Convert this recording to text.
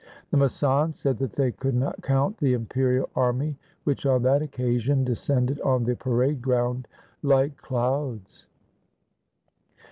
The masands said that they could not count the imperial army, which on that occasion descended on the parade ground like clouds.